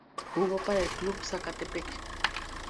Jugó para el Club Zacatepec.